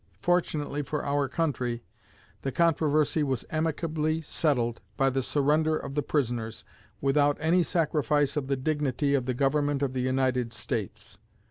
Fortunately for our country, the controversy was amicably settled by the surrender of the prisoners, without any sacrifice of the dignity of the Government of the United States.